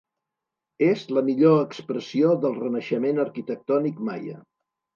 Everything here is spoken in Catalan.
És la millor expressió del renaixement arquitectònic maia.